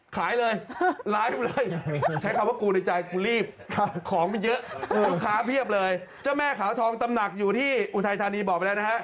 ขายเลยไลฟ์กูเลยใช้คำว่ากูในใจกูรีบของมันเยอะลูกค้าเพียบเลยเจ้าแม่ขาวทองตำหนักอยู่ที่อุทัยธานีบอกไปแล้วนะฮะ